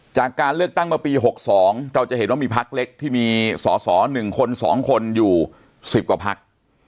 จากการเลือกตั้งเมื่อปี๖๒เราจะเห็นว่ามีพักเล็กที่มีสอสอ๑คน๒คนอยู่๑๐กว่าพัก